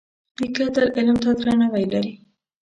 نیکه تل علم ته درناوی لري.